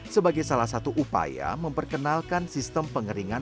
sebagai salah satu upaya memperkenalkan sistem pengeringan